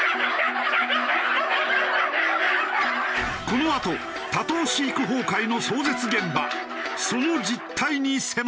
このあと多頭飼育崩壊の壮絶現場その実態に迫る！